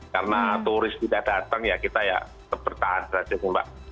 karena turis tidak datang ya kita ya terpertahan saja mbak